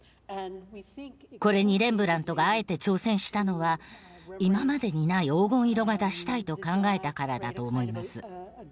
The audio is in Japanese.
これにレンブラントがあえて挑戦したのは今までにない黄金色が出したいと考えたからだと思います。